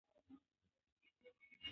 ساعت به په خپله لاره بېغرضه روان وي.